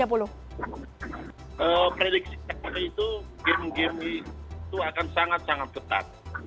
prediksi kami itu game game itu akan sangat sangat ketat